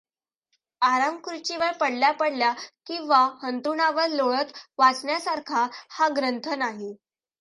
आरामखुर्चीवर पडल्या पडल्या किंवा अंथरुणावर लोळत वाचण्यासारखा हा ग्रंथ नाही.